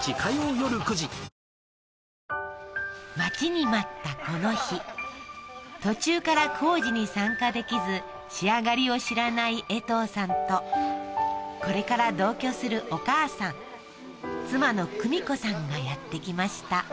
待ちに待ったこの日途中から工事に参加できず仕上がりを知らないえとうさんとこれから同居するお母さん妻の久美子さんがやって来ました